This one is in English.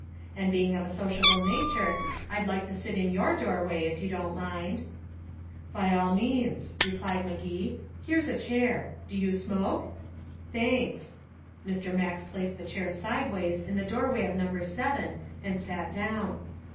And being of a sociable nature, I'd like to sit in your doorway, if you don't mind." "By all means," replied Magee. "Here's a chair. Do you smoke?" "Thanks." Mr. Max placed the chair sidewise in the doorway of number seven, and sat down.